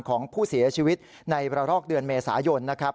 ของผู้เสียชีวิตในระลอกเดือนเมษายนนะครับ